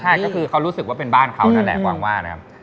ใช่ก็คือเขารู้สึกว่าเป็นบ้านเขานั่นแหละหวังว่านะครับ